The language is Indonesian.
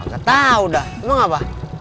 gak tau dah emang apa